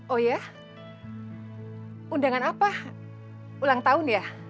oh ya undangan apa ulang tahun ya